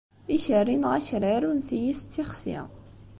Ikerri neɣ akrar unti-is d tixsi.